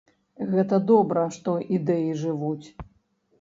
Гэта добра, што ідэі жывуць.